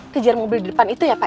kejar mobil di depan itu ya pak